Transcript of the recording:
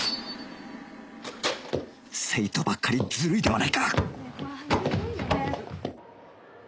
生徒ばっかりずるいではないか！